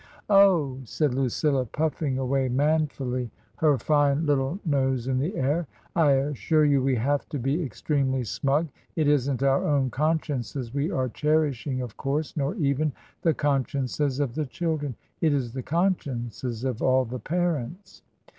"Oh!" said Lucilla, puffing away manfully, her fine little nose in the air, " I assure you we have to be ex tremely smug. It isn't our own consciences we are cherishing, of course, nor even the consciences of the children. It's the consciences of all the parents."